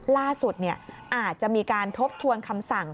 ล่าสุดอาจจะมีการทบทวนคำสั่ง